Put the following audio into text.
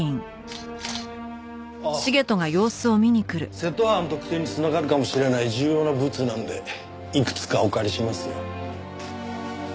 窃盗犯特定に繋がるかもしれない重要なブツなんでいくつかお借りします。